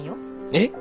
えっ？